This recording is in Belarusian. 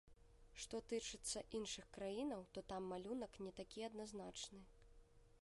Што тычыцца іншых краінаў, то там малюнак не такі адназначны.